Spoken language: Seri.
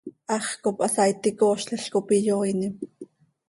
Hax cop hasaaiti coozlil cop iyooinim.